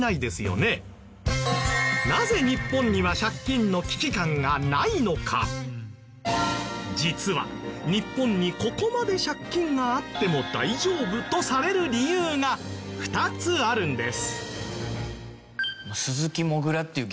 なぜ実は日本にここまで借金があっても大丈夫とされる理由が２つあるんです。